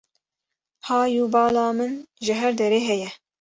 Hay û bala min ji her derê heye.